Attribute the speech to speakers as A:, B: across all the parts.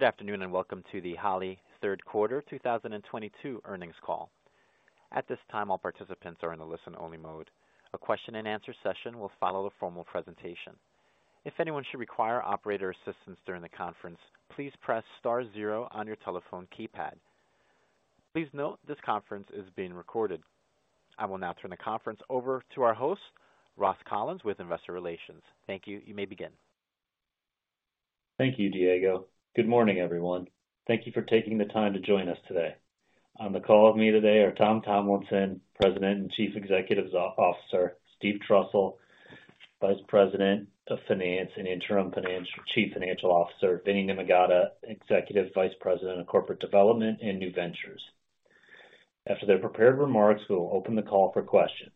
A: Good afternoon, and welcome to the Holley third-quarter 2022 earnings call. At this time, all participants are in a listen-only mode. A question-and-answer session will follow the formal presentation. If anyone should require operator assistance during the conference, please press star zero on your telephone keypad. Please note this conference is being recorded. I will now turn the conference over to our host, Ross Collins, with Investor Relations. Thank you. You may begin.
B: Thank you, Diego. Good morning, everyone. Thank you for taking the time to join us today. On the call with me today are Tom Tomlinson, President and Chief Executive Officer, Steve Trussell, Vice President of Finance and Interim Chief Financial Officer, Vinny Nimmagadda, Executive Vice President of Corporate Development and New Ventures. After their prepared remarks, we will open the call for questions.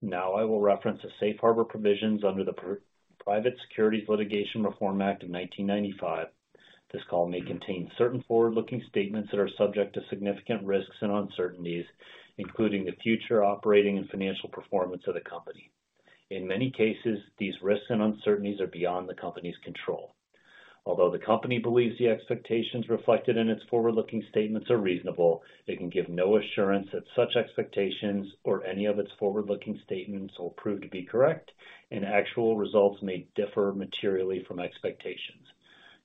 B: Now, I will reference the safe harbor provisions under the Private Securities Litigation Reform Act of 1995. This call may contain certain forward-looking statements that are subject to significant risks and uncertainties, including the future operating and financial performance of the company. In many cases, these risks and uncertainties are beyond the company's control. Although the company believes the expectations reflected in its forward-looking statements are reasonable, it can give no assurance that such expectations or any of its forward-looking statements will prove to be correct, and actual results may differ materially from expectations.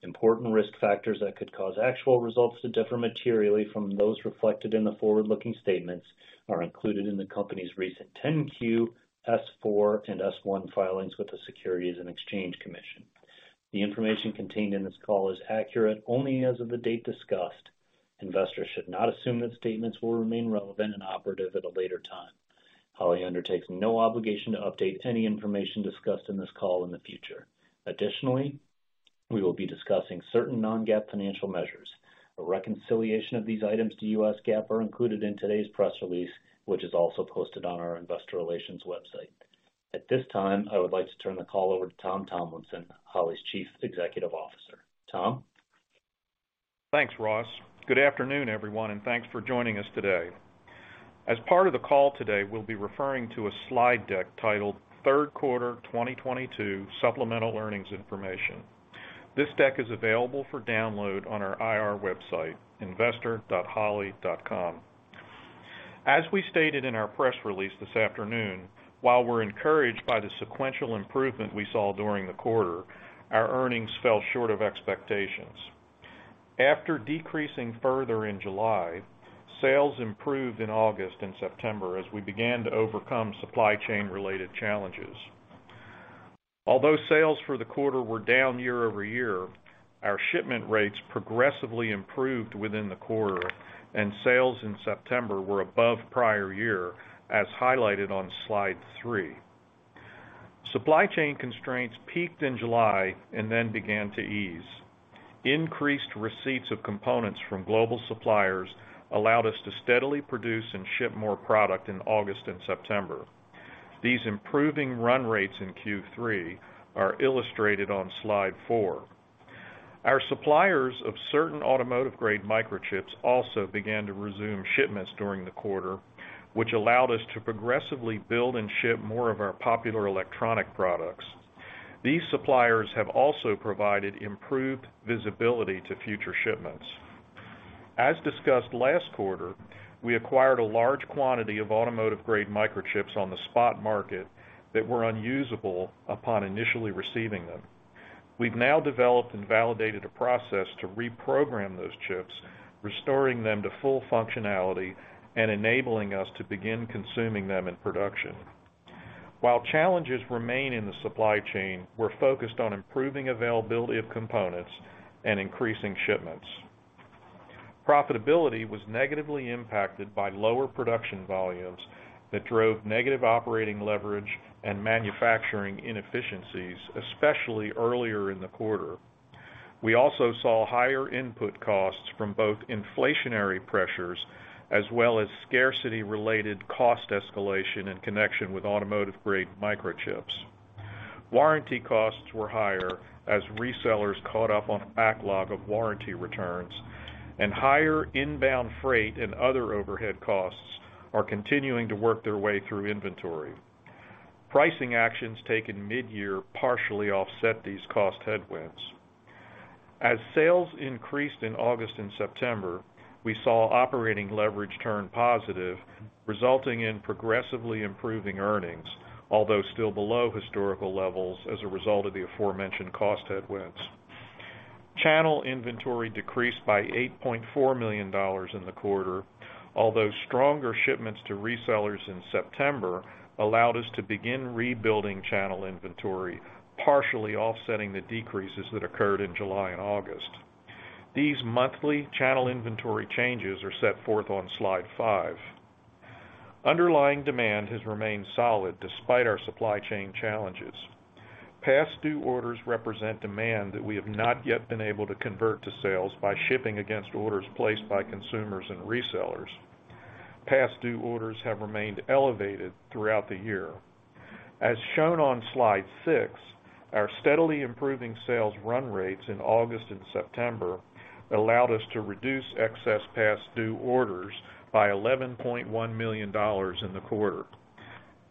B: Important risk factors that could cause actual results to differ materially from those reflected in the forward-looking statements are included in the company's recent 10-Q, S-4, and S-1 filings with the Securities and Exchange Commission. The information contained in this call is accurate only as of the date discussed. Investors should not assume that statements will remain relevant and operative at a later time. Holley undertakes no obligation to update any information discussed in this call in the future. Additionally, we will be discussing certain non-GAAP financial measures. A reconciliation of these items to U.S. GAAP are included in today's press release, which is also posted on our Investor Relations website. At this time, I would like to turn the call over to Tom Tomlinson, Holley's Chief Executive Officer. Tom?
C: Thanks, Ross. Good afternoon, everyone, and thanks for joining us today. As part of the call today, we'll be referring to a slide deck titled Third Quarter 2022 Supplemental Earnings Information. This deck is available for download on our IR website, investor.holley.com. As we stated in our press release this afternoon, while we're encouraged by the sequential improvement we saw during the quarter, our earnings fell short of expectations. After decreasing further in July, sales improved in August and September as we began to overcome supply chain-related challenges. Although sales for the quarter were down year-over-year, our shipment rates progressively improved within the quarter, and sales in September were above prior-year, as highlighted on slide three. Supply chain constraints peaked in July and then began to ease. Increased receipts of components from global suppliers allowed us to steadily produce and ship more product in August and September. These improving run rates in Q3 are illustrated on slide four. Our suppliers of certain automotive-grade microchips also began to resume shipments during the quarter, which allowed us to progressively build and ship more of our popular electronic products. These suppliers have also provided improved visibility to future shipments. As discussed last quarter, we acquired a large quantity of automotive-grade microchips on the spot market that were unusable upon initially receiving them. We've now developed and validated a process to reprogram those chips, restoring them to full functionality and enabling us to begin consuming them in production. While challenges remain in the supply chain, we're focused on improving availability of components and increasing shipments. Profitability was negatively impacted by lower production volumes that drove negative operating leverage and manufacturing inefficiencies, especially earlier in the quarter. We also saw higher input costs from both inflationary pressures as well as scarcity-related cost escalation in connection with automotive-grade microchips. Warranty costs were higher as resellers caught up on backlog of warranty returns, and higher inbound freight and other overhead costs are continuing to work their way through inventory. Pricing actions taken mid-year partially offset these cost headwinds. As sales increased in August and September, we saw operating leverage turn positive, resulting in progressively improving earnings, although still below historical levels as a result of the aforementioned cost headwinds. Channel inventory decreased by $8.4 million in the quarter, although stronger shipments to resellers in September allowed us to begin rebuilding channel inventory, partially offsetting the decreases that occurred in July and August. These monthly channel inventory changes are set forth on slide five. Underlying demand has remained solid despite our supply chain challenges. Past due orders represent demand that we have not yet been able to convert to sales by shipping against orders placed by consumers and resellers. Past due orders have remained elevated throughout the year. As shown on slide six, our steadily improving sales run rates in August and September allowed us to reduce excess past due orders by $11.1 million in the quarter.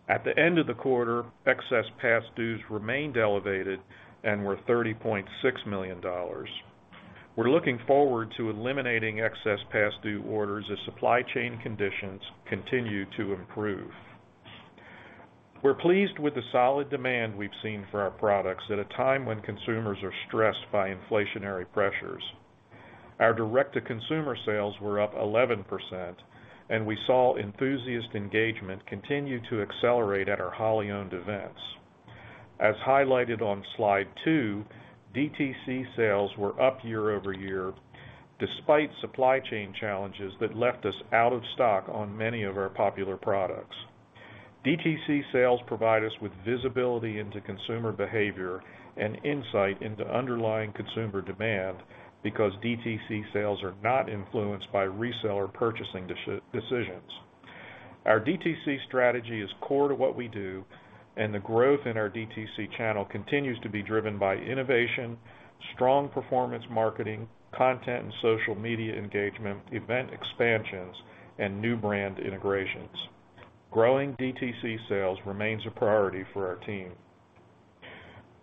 C: At the end of the quarter, excess past dues remained elevated and were $30.6 million. We're looking forward to eliminating excess past due orders as supply chain conditions continue to improve. We're pleased with the solid demand we've seen for our products at a time when consumers are stressed by inflationary pressures. Our direct-to-consumer sales were up 11%, and we saw enthusiast engagement continue to accelerate at our Holley-owned events. As highlighted on slide two, DTC sales were up year-over-year despite supply chain challenges that left us out of stock on many of our popular products. DTC sales provide us with visibility into consumer behavior and insight into underlying consumer demand because DTC sales are not influenced by reseller purchasing decisions. Our DTC strategy is core to what we do, and the growth in our DTC channel continues to be driven by innovation, strong performance marketing, content, and social media engagement, event expansions, and new brand integrations. Growing DTC sales remains a priority for our team.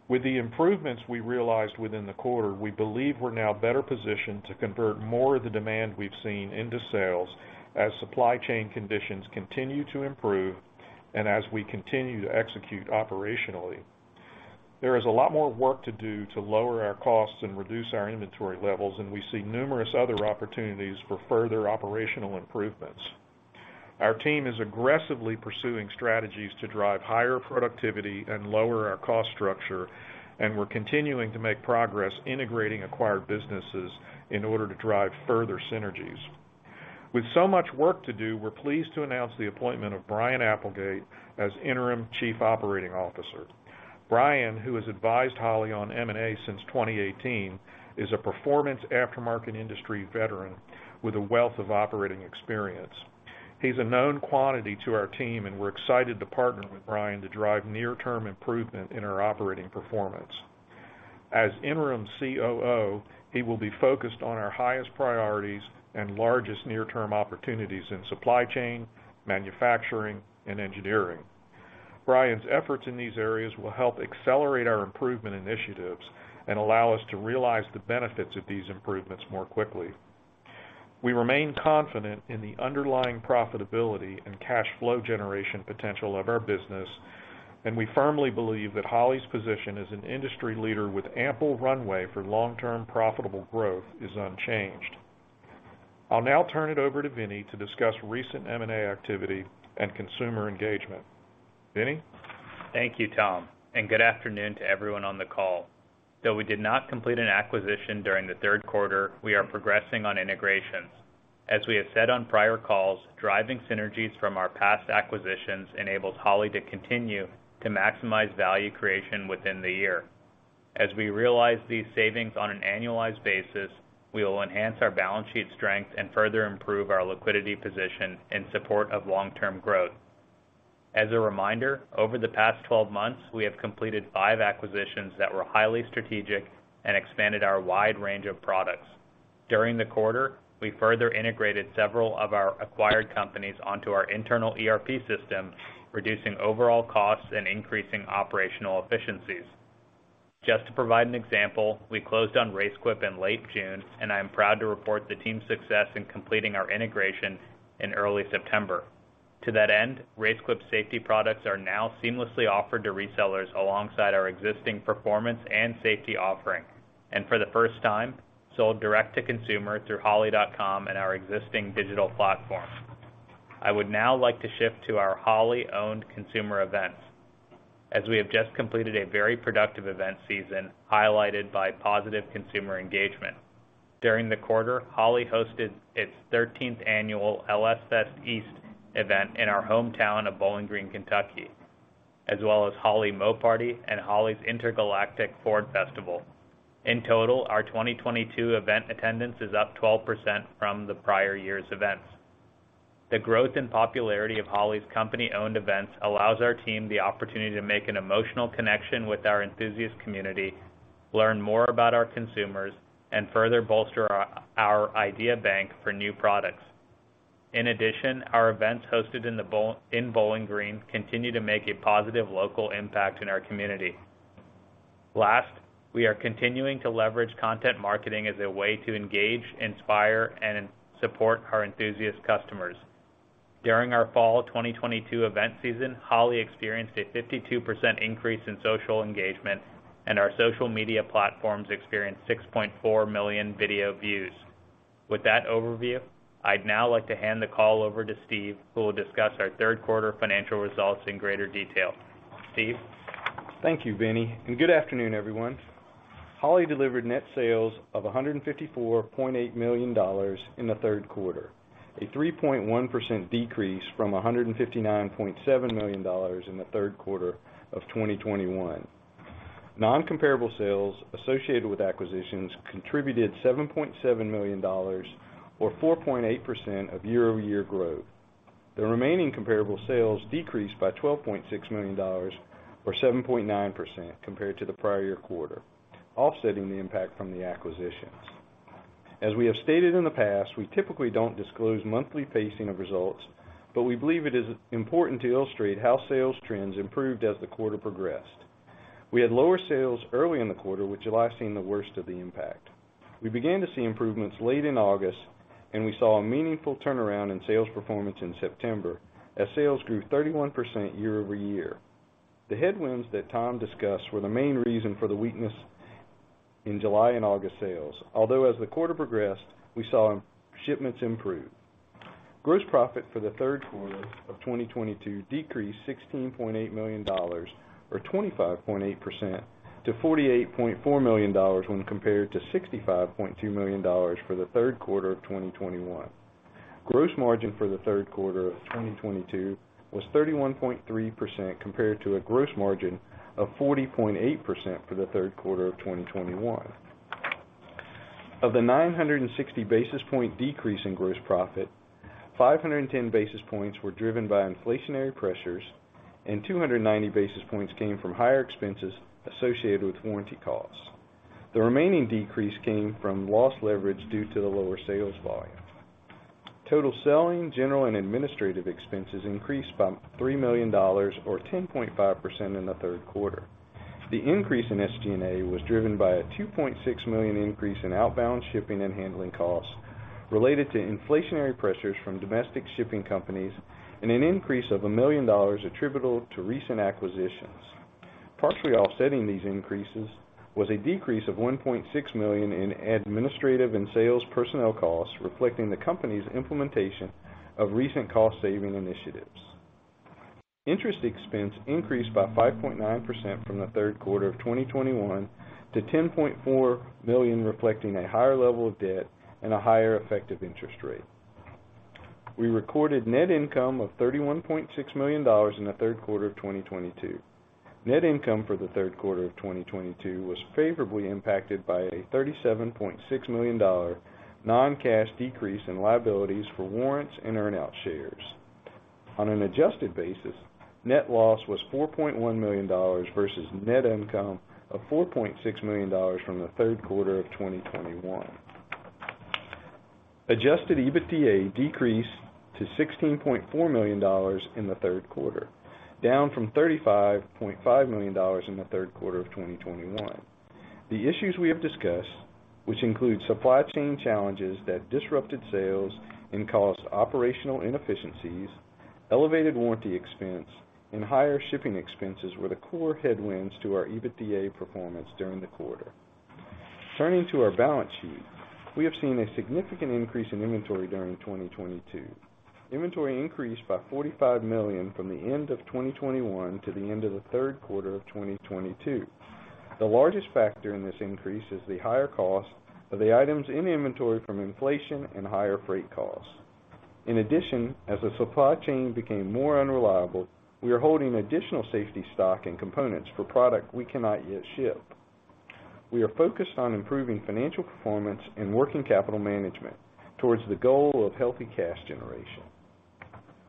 C: With the improvements we realized within the quarter, we believe we're now better positioned to convert more of the demand we've seen into sales as supply chain conditions continue to improve and as we continue to execute operationally. There is a lot more work to do to lower our costs and reduce our inventory levels, and we see numerous other opportunities for further operational improvements. Our team is aggressively pursuing strategies to drive higher productivity and lower our cost structure, and we're continuing to make progress integrating acquired businesses in order to drive further synergies. With so much work to do, we're pleased to announce the appointment of Brian Appelgate as Interim Chief Operating Officer. Brian, who has advised Holley on M&A since 2018, is a performance aftermarket industry veteran with a wealth of operating experience. He's a known quantity to our team, and we're excited to partner with Brian to drive near-term improvement in our operating performance. As interim COO, he will be focused on our highest priorities and largest near-term opportunities in supply chain, manufacturing, and engineering. Brian's efforts in these areas will help accelerate our improvement initiatives and allow us to realize the benefits of these improvements more quickly. We remain confident in the underlying profitability and cash flow generation potential of our business, and we firmly believe that Holley's position as an industry leader with ample runway for long-term profitable growth is unchanged. I'll now turn it over to Vinny to discuss recent M&A activity and consumer engagement. Vinny?
D: Thank you, Tom, and good afternoon to everyone on the call. Though we did not complete an acquisition during the third quarter, we are progressing on integrations. As we have said on prior calls, driving synergies from our past acquisitions enables Holley to continue to maximize value creation within the year. As we realize these savings on an annualized basis, we will enhance our balance sheet strength and further improve our liquidity position in support of long-term growth. As a reminder, over the past 12 months, we have completed five acquisitions that were highly strategic and expanded our wide range of products. During the quarter, we further integrated several of our acquired companies onto our internal ERP system, reducing overall costs and increasing operational efficiencies. Just to provide an example, we closed on RaceQuip in late June, and I am proud to report the team's success in completing our integration in early September. To that end, RaceQuip safety products are now seamlessly offered to resellers alongside our existing performance and safety offering, and for the first time, sold direct to consumer through holley.com and our existing digital platforms. I would now like to shift to our Holley-owned consumer events, as we have just completed a very productive event season highlighted by positive consumer engagement. During the quarter, Holley hosted its 13th annual LS Fest East event in our hometown of Bowling Green, Kentucky, as well as Holley MoParty and Holley Intergalactic Ford Festival. In total, our 2022 event attendance is up 12% from the prior year's events. The growth and popularity of Holley's company-owned events allow our team the opportunity to make an emotional connection with our enthusiast community, learn more about our consumers, and further bolster our idea bank for new products. In addition, our events hosted in Bowling Green continue to make a positive local impact in our community. Last, we are continuing to leverage content marketing as a way to engage, inspire, and support our enthusiast customers. During our fall 2022 event season, Holley experienced a 52% increase in social engagement, and our social media platforms experienced 6.4 million video views. With that overview, I'd now like to hand the call over to Steve, who will discuss our third quarter financial results in greater detail. Steve?
E: Thank you, Vinny, and good afternoon, everyone. Holley delivered net sales of $154.8 million in the third quarter, a 3.1% decrease from $159.7 million in the third quarter of 2021. Non-comparable sales associated with acquisitions contributed $7.7 million or 4.8% of year-over-year growth. The remaining comparable sales decreased by $12.6 million or 7.9% compared to the prior year quarter, offsetting the impact from the acquisitions. As we have stated in the past, we typically don't disclose monthly pacing of results, but we believe it is important to illustrate how sales trends improved as the quarter progressed. We had lower sales early in the quarter, with July seeing the worst of the impact. We began to see improvements late in August, and we saw a meaningful turnaround in sales performance in September as sales grew 31% year-over-year. The headwinds that Tom discussed were the main reason for the weakness in July and August sales. Although as the quarter progressed, we saw shipments improve. Gross profit for the third quarter of 2022 decreased $16.8 million or 25.8% to $48.4 million when compared to $65.2 million for the third quarter of 2021. Gross margin for the third quarter of 2022 was 31.3% compared to a gross margin of 40.8% for the third quarter of 2021. Of the 960 basis point decrease in gross profit, 510 basis points were driven by inflationary pressures, and 290 basis points came from higher expenses associated with warranty costs. The remaining decrease came from loss of leverage due to the lower sales volume. Total selling, general, and administrative expenses increased by $3 million or 10.5% in the third quarter. The increase in SG&A was driven by a $2.6 million increase in outbound shipping and handling costs related to inflationary pressures from domestic shipping companies and an increase of $1 million attributable to recent acquisitions. Partially offsetting these increases was a decrease of $1.6 million in administrative and sales personnel costs, reflecting the company's implementation of recent cost-saving initiatives. Interest expense increased by 5.9% from the third quarter of 2021 to $10.4 million, reflecting a higher level of debt and a higher effective interest rate. We recorded net income of $31.6 million in the third quarter of 2022. Net income for the third quarter of 2022 was favorably impacted by a $37.6 million non-cash decrease in liabilities for warrants and earn-out shares. On an adjusted basis, net loss was $4.1 million versus net income of $4.6 million from the third quarter of 2021. Adjusted EBITDA decreased to $16.4 million in the third quarter, down from $35.5 million in the third quarter of 2021. The issues we have discussed, which include supply chain challenges that disrupted sales and caused operational inefficiencies, elevated warranty expense, and higher shipping expenses, were the core headwinds to our EBITDA performance during the quarter. Turning to our balance sheet, we have seen a significant increase in inventory during 2022. Inventory increased by $45 million from the end of 2021 to the end of the third quarter of 2022. The largest factor in this increase is the higher cost of the items in inventory from inflation and higher freight costs. In addition, as the supply chain became more unreliable, we are holding additional safety stock and components for product we cannot yet ship. We are focused on improving financial performance and working capital management towards the goal of healthy cash generation.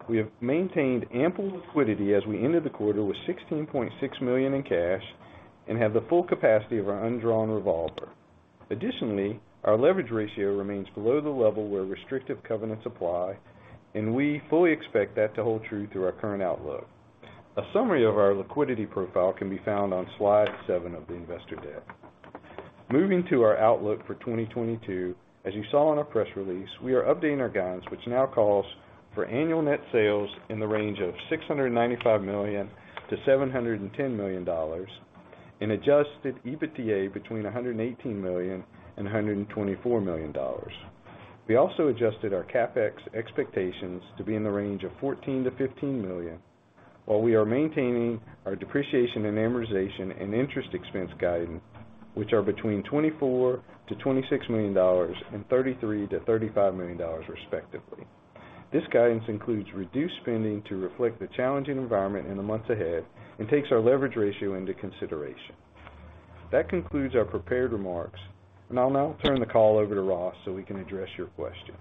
E: We have maintained ample liquidity as we ended the quarter with $16.6 million in cash and have the full capacity of our undrawn revolver. Additionally, our leverage ratio remains below the level where restrictive covenants apply, and we fully expect that to hold true through our current outlook. A summary of our liquidity profile can be found on slide seven of the investor deck. Moving to our outlook for 2022, as you saw in our press release, we are updating our guidance, which now calls for annual net sales in the range of $695 million-$710 million and adjusted EBITDA between $118 million-$124 million. We also adjusted our CapEx expectations to be in the range of $14 million-$15 million, while we are maintaining our depreciation and amortization and interest expense guidance, which are between $24 million-$26 million and $33 million-$35 million, respectively. This guidance includes reduced spending to reflect the challenging environment in the months ahead and takes our leverage ratio into consideration. That concludes our prepared remarks. I'll now turn the call over to Ross so we can address your questions.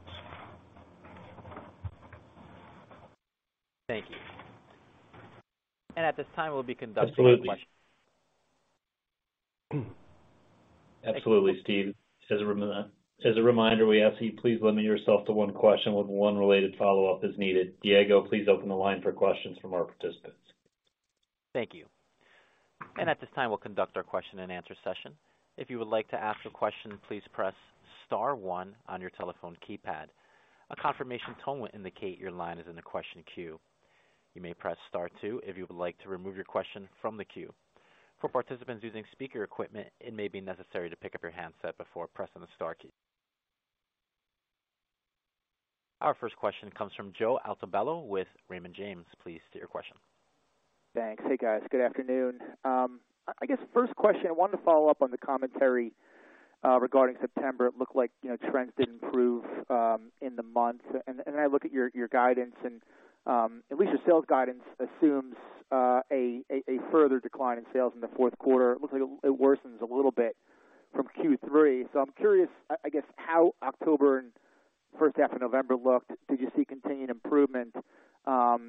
A: Thank you. At this time, we'll be conducting...
B: Absolutely, Steve. As a reminder, we ask that you please limit yourself to one question with one related follow-up as needed. Diego, please open the line for questions from our participants.
A: Thank you. At this time, we'll conduct our question-and-answer session. If you would like to ask a question, please press star one on your telephone keypad. A confirmation tone will indicate your line is in the question queue. You may press star two if you would like to remove your question from the queue. For participants using speaker equipment, it may be necessary to pick up your handset before pressing the star key. Our first question comes from Joe Altobello with Raymond James. Please state your question.
F: Thanks. Hey, guys. Good afternoon. I guess, first question, I wanted to follow up on the commentary regarding September. It looked like, you know, trends did improve in the month. I look at your guidance, and at least your sales guidance assumes a further decline in sales in the fourth quarter. It looks like it worsens a little bit from Q3. I'm curious, I guess how October and first half of November looked? Did you see continued improvement? Do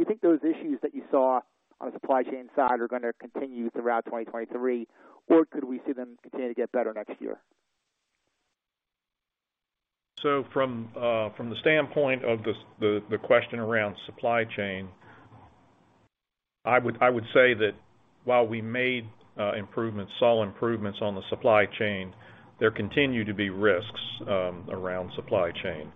F: you think those issues that you saw on the supply chain side are gonna continue throughout 2023, or could we see them continue to get better next year?
C: From the standpoint of the question around supply chain, I would say that while we made improvements, saw improvements on the supply chain, there continue to be risks around supply chain.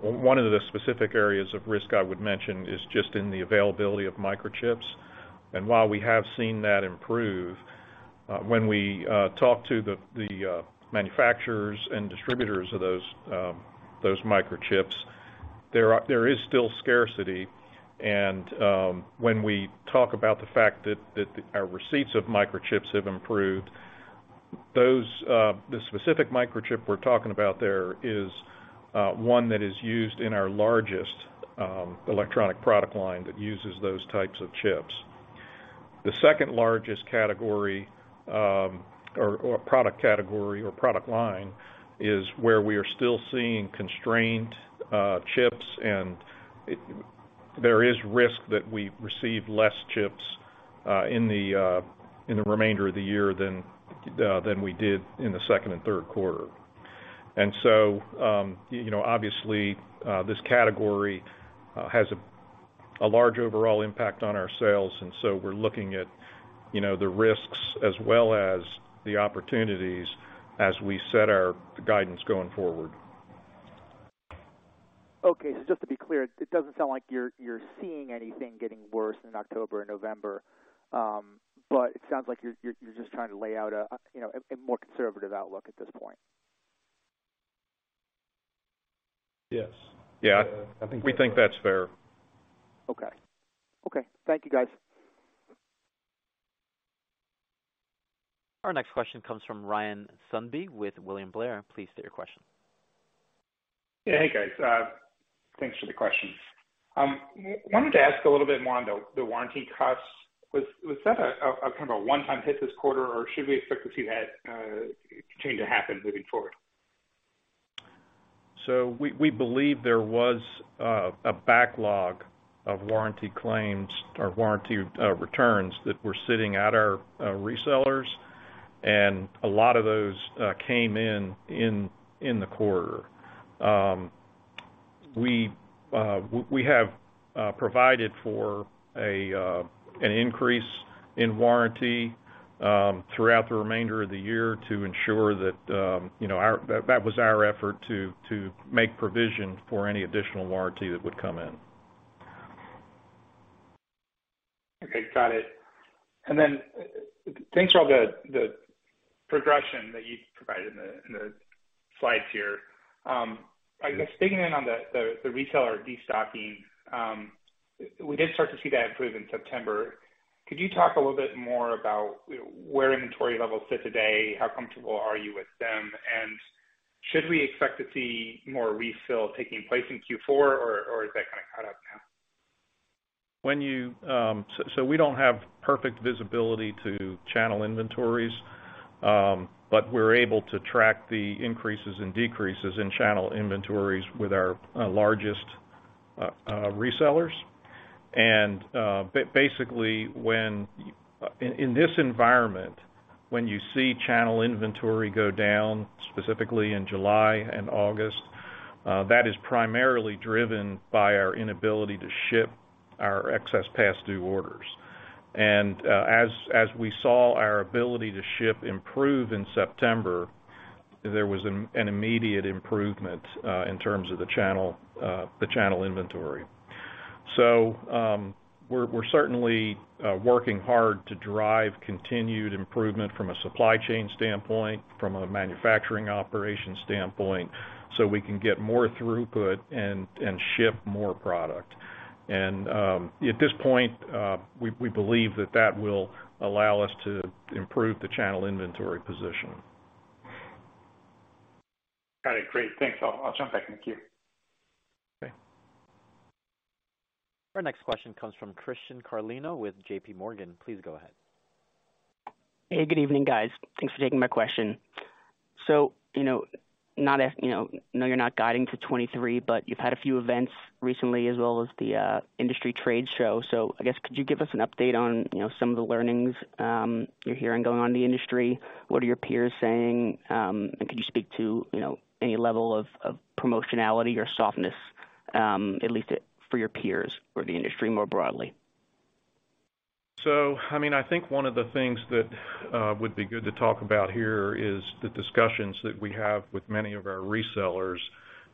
C: One of the specific areas of risk I would mention is just in the availability of microchips. While we have seen that improve, when we talk to the manufacturers and distributors of those microchips, there is still scarcity. When we talk about the fact that our receipts of microchips have improved, those, the specific microchip we're talking about there is one that is used in our largest electronic product line that uses those types of chips. The second largest category, or product category or product line is where we are still seeing constrained chips, and there is risk that we receive less chips in the remainder of the year than we did in the second and third quarter. You know, obviously, this category has a large overall impact on our sales, and so we're looking at, you know, the risks as well as the opportunities as we set our guidance going forward.
F: Okay. Just to be clear, it doesn't sound like you're seeing anything getting worse in October and November. It sounds like you're just trying to lay out a, you know, a more conservative outlook at this point.
C: Yes. Yeah.
E: I think that.
C: We think that's fair.
F: Okay. Thank you, guys.
A: Our next question comes from Ryan Sundby with William Blair. Please state your question.
G: Yeah. Hey, guys. Thanks for the question. Wanted to ask a little bit more on the warranty costs. Was that a kind of a one-time hit this quarter, or should we expect to see that continue to happen moving forward?
C: We believe there was a backlog of warranty claims or warranty returns that were sitting at our resellers, and a lot of those came in in the quarter. We have provided for an increase in warranty throughout the remainder of the year to ensure that you know that was our effort to make provision for any additional warranty that would come in.
G: Okay. Got it. Thanks for all the progression that you provided in the slides here. I guess digging in on the retailer destocking, we did start to see that improve in September. Could you talk a little bit more about where inventory levels sit today? How comfortable are you with them? Should we expect to see more refill taking place in Q4, or is that kind of caught up now?
C: We don't have perfect visibility to channel inventories, but we're able to track the increases and decreases in channel inventories with our largest resellers. Basically, in this environment, when you see channel inventory go down, specifically in July and August, that is primarily driven by our inability to ship our excess past due orders. As we saw our ability to ship improve in September, there was an immediate improvement in terms of the channel inventory. We're certainly working hard to drive continued improvement from a supply chain standpoint, from a manufacturing operation standpoint, so we can get more throughput and ship more product. At this point, we believe that will allow us to improve the channel inventory position.
G: Got it. Great. Thanks. I'll jump back in the queue.
C: Okay.
A: Our next question comes from Christian Carlino with JPMorgan. Please go ahead.
H: Hey, good evening, guys. Thanks for taking my question. You know, I know you're not guiding for 2023, but you've had a few events recently, as well as the industry trade show. I guess, could you give us an update on some of the learnings you're hearing going on in the industry? What are your peers saying? And could you speak to any level of promotionality or softness, at least for your peers or the industry more broadly?
C: I mean, I think one of the things that would be good to talk about here is the discussions that we have with many of our resellers.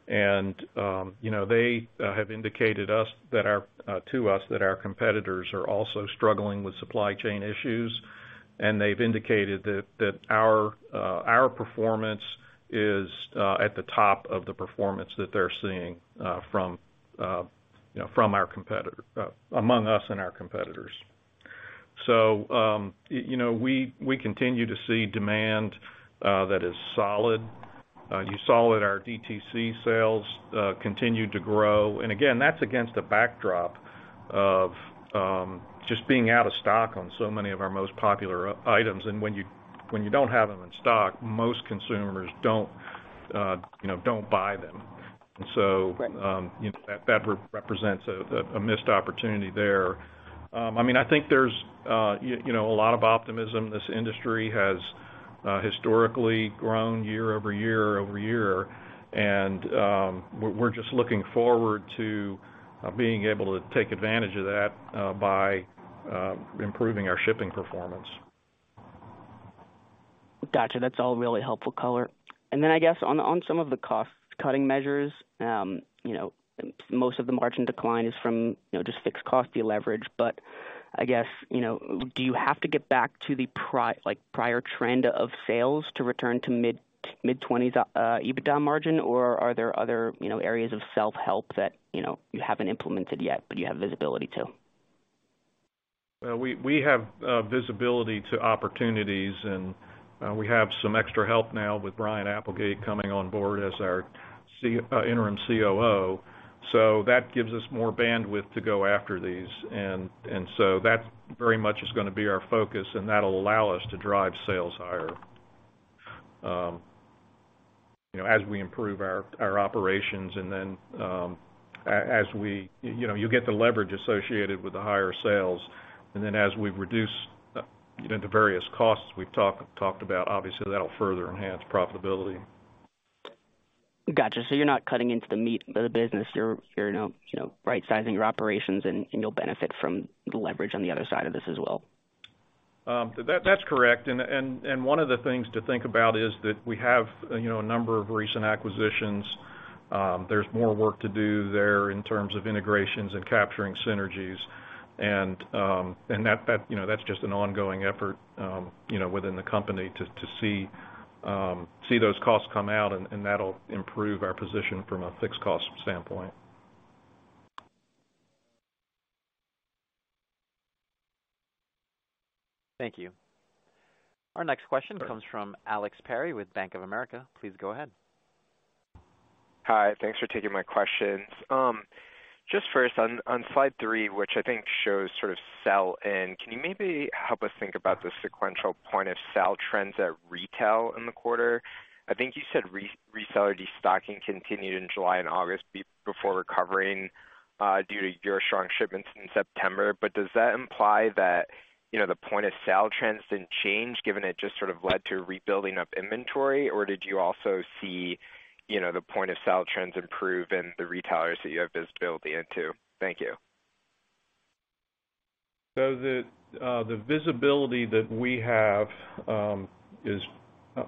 C: You know, they have indicated to us that our competitors are also struggling with supply chain issues. They've indicated that our performance is at the top of the performance that they're seeing, you know, among us and our competitors. You know, we continue to see demand that is solid. You saw that our DTC sales continue to grow. Again, that's against a backdrop of just being out of stock on so many of our most popular items. When you don't have them in stock, most consumers don't buy them. That represents a missed opportunity there. I mean, I think there's a lot of optimism. This industry has historically grown year over year over year, and we're just looking forward to being able to take advantage of that by improving our shipping performance.
H: Gotcha. That's all, really helpful color. I guess on some of the cost-cutting measures, you know, most of the margin decline is from, you know, just fixed cost deleverage. I guess, you know, do you have to get back to the like, prior trend of sales to return to mid-20s% EBITDA margin, or are there other, you know, areas of self-help that, you know, you haven't implemented yet but you have visibility to?
C: Well, we have visibility to opportunities, and we have some extra help now with Brian Appelgate coming on board as our interim COO. That gives us more bandwidth to go after these. That very much is gonna be our focus, and that'll allow us to drive sales higher. You know, as we improve our operations, and then you know, you get the leverage associated with the higher sales, and then as we reduce, you know, the various costs we've talked about, obviously, that'll further enhance profitability.
H: Gotcha. You're not cutting into the meat of the business. You're, you know, right-sizing your operations, and you'll benefit from the leverage on the other side of this as well.
C: That's correct. One of the things to think about is that we have, you know, a number of recent acquisitions. There's more work to do there in terms of integrations and capturing synergies, and that's just an ongoing effort, you know, within the company to see those costs come out, and that'll improve our position from a fixed cost standpoint.
A: Thank you. Our next question comes from Alex Perry with Bank of America. Please go ahead.
I: Hi. Thanks for taking my questions. Just first on slide three, which I think shows sort of sell-in, can you maybe help us think about the sequential point-of-sale trends at retail in the quarter? I think you said reseller destocking continued in July and August before recovering due to your strong shipments in September. Does that imply that, you know, the point-of-sale trends didn't change, given it just sort of led to rebuilding up inventory? Or did you also see, you know, the point-of-sale trends improve in the retailers that you have visibility into? Thank you.
C: The visibility that we have is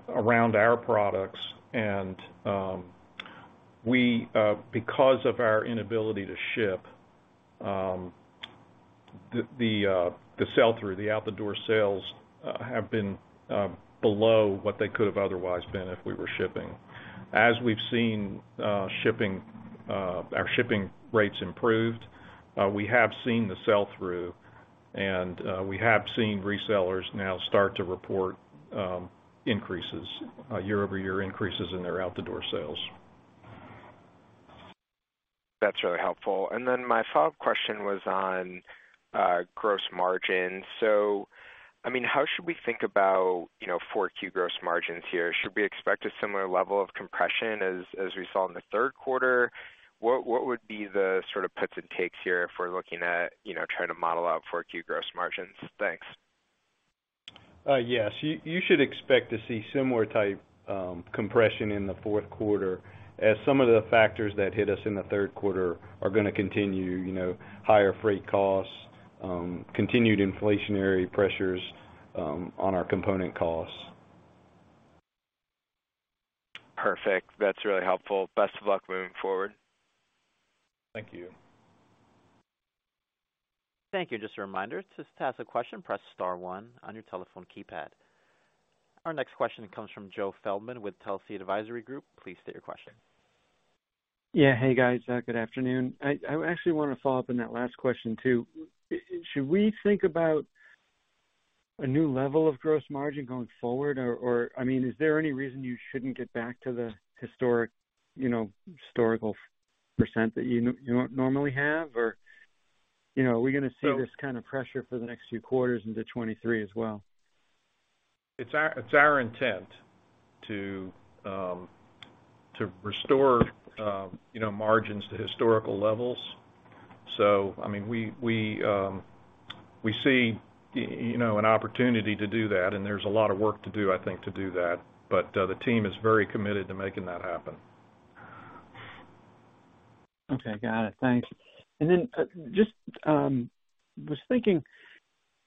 C: around our products, and because of our inability to ship, the sell-through, the out-the-door sales have been below what they could have otherwise been if we were shipping. As we've seen, our shipping rates improved. We have seen the sell-through, and we have seen resellers now start to report year-over-year increases in their out-the-door sales.
I: That's really helpful. Then my follow-up question was on gross margin. I mean, how should we think about, you know, 4Q gross margins here? Should we expect a similar level of compression as we saw in the third quarter? What would be the sort of puts and takes here if we're looking at, you know, trying to model out 4Q gross margins? Thanks.
C: Yes. You should expect to see similar type compression in the fourth quarter as some of the factors that hit us in the third quarter are gonna continue. You know, higher freight costs, continued inflationary pressures, on our component costs.
I: Perfect. That's really helpful. Best of luck moving forward.
C: Thank you.
A: Thank you. Just a reminder, to ask a question, press star one on your telephone keypad. Our next question comes from Joe Feldman with Telsey Advisory Group. Please state your question.
J: Yeah. Hey, guys. Good afternoon. I actually wanna follow up on that last question, too. Should we think about a new level of gross margin going forward or I mean, is there any reason you shouldn't get back to the historic, you know, historical percent that you normally have or, you know, are we gonna see this kind of pressure for the next few quarters into 2023 as well?
C: It's our intent to restore you know margins to historical levels. I mean, we see you know an opportunity to do that, and there's a lot of work to do, I think, to do that, but the team is very committed to making that happen.
J: Okay. Got it. Thanks. Just was thinking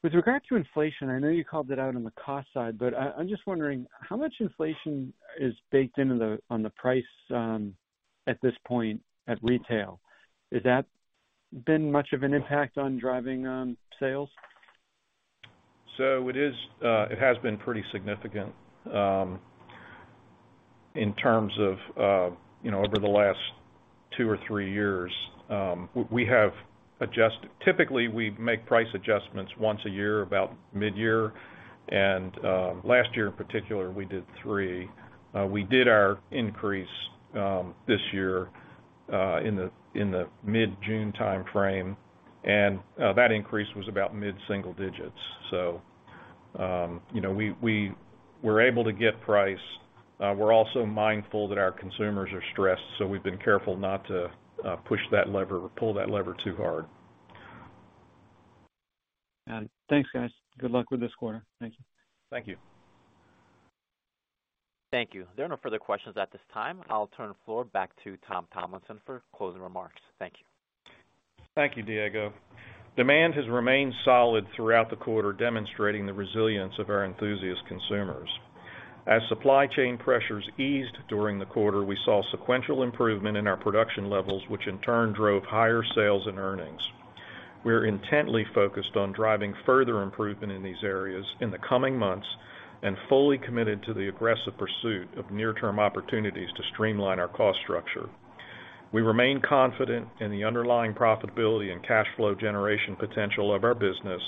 J: with regard to inflation, I know you called it out on the cost side, but I'm just wondering how much inflation is baked into the pricing at this point at retail. Has that been much of an impact on driving sales?
C: It has been pretty significant in terms of, you know, over the last two or three years. Typically, we make price adjustments once a year, about mid-year, and last year in particular, we did three. We did our increase this year in the mid-June timeframe, and that increase was about mid-single digits. We were able to get price. We're also mindful that our consumers are stressed, so we've been careful not to pull that lever too hard.
J: Thanks, guys. Good luck with this quarter. Thank you.
C: Thank you.
A: Thank you. There are no further questions at this time. I'll turn the floor back to Tom Tomlinson for closing remarks. Thank you.
C: Thank you, Diego. Demand has remained solid throughout the quarter, demonstrating the resilience of our enthusiast consumers. As supply chain pressures eased during the quarter, we saw sequential improvement in our production levels, which in turn drove higher sales and earnings. We're intently focused on driving further improvement in these areas in the coming months and fully committed to the aggressive pursuit of near-term opportunities to streamline our cost structure. We remain confident in the underlying profitability and cash flow generation potential of our business,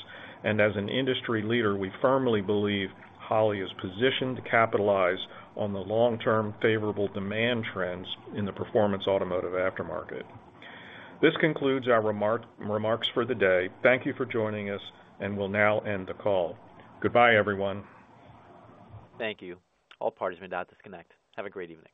C: and as an industry leader, we firmly believe Holley is positioned to capitalize on the long-term favorable demand trends in the performance automotive aftermarket. This concludes our remarks for the day. Thank you for joining us, and we'll now end the call. Goodbye, everyone.
A: Thank you. All parties may now disconnect. Have a great evening.